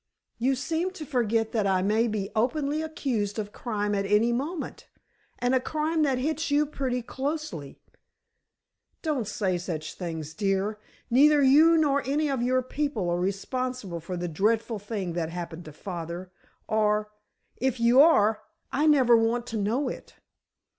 "You seem to forget that I may be openly accused of crime at any moment. And a crime that hits you pretty closely." "Don't say such things, dear. Neither you nor any of your people are responsible for the dreadful thing that happened to father—or, if you are, I never want to know it.